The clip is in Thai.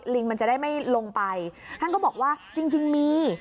ลิงมันจะได้ไม่ลงไปท่านก็บอกว่าจริงมี